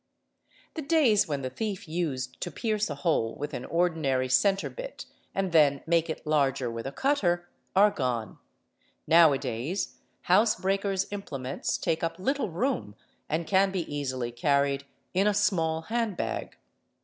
'The days when +; q |/:° 738 THE ET the thief used to pierce a hole with an ordinary centrebit and then make — it larger with a cutter are gone. Now a days housebreakers' implements take up little room and can be easily carried in a small handbag.